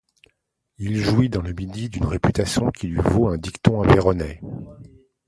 Il jouit dans le Midi d'une réputation qui lui vaut un dicton aveyronnais.